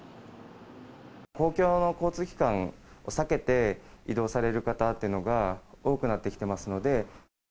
公共の交通機関を避けて移動される方っていうのが多くなってきてますので。